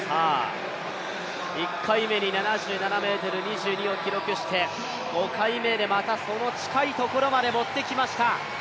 １回目に７７ｍ２２を記録して、５回目でまたその近いところまで持ってきました。